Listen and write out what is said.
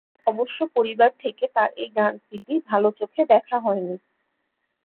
অবশ্য পরিবার থেকে তার এই গান প্রীতি ভাল চোখে দেখা হয়নি।